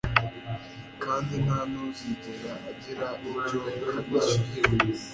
kandi nta n'uzigera agira icyo abishyuza